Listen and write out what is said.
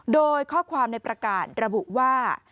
โดยข้อความในประกาศระบุว่า